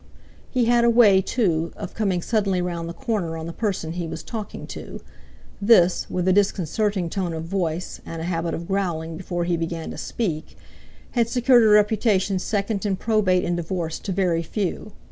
He had a way, too, of coming suddenly round the corner on the person he was talking to; this, with a disconcerting tone of voice, and a habit of growling before he began to speak—had secured a reputation second in Probate and Divorce to very few.